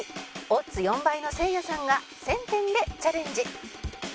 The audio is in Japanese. オッズ４倍のせいやさんが１０００点でチャレンジ